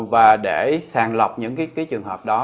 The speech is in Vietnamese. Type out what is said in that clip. và để sàng lọc những cái trường hợp đó